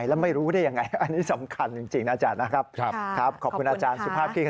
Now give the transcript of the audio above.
แล้วก็พื้นที่ที่มีการก่อสร้างใช่ไหมครับ